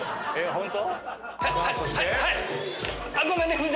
ホント？